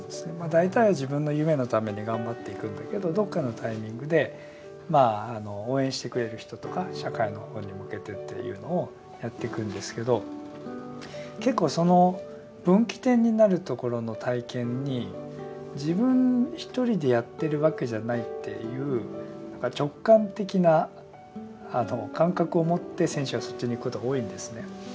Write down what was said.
大体は自分の夢のために頑張っていくんだけどどっかのタイミングでまああの応援してくれる人とか社会の方に向けてっていうのをやっていくんですけど結構その分岐点になるところの体験に自分一人でやってるわけじゃないっていう直感的な感覚を持って選手はそっちにいくことが多いんですね。